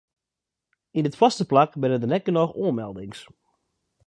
Yn it foarste plak binne der net genôch oanmeldings.